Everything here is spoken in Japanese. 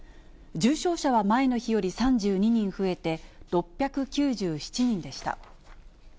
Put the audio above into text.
重症者は前の日より３２人増えて、６９７人でした。